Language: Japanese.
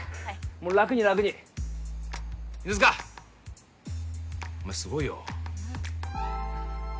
もう楽に楽に犬塚お前すごいようん